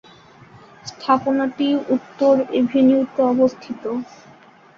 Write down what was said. স্থাপনাটি উত্তর এভিনিউতে অবস্থিত।